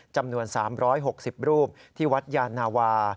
จำนวน๓๖๐รูปที่วัดยานาวา